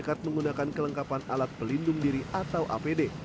masyarakat menggunakan kelengkapan alat pelindung diri atau apd